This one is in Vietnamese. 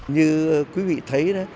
như quý vị thấy đó